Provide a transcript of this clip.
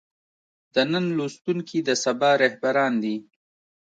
د نن لوستونکي د سبا رهبران دي.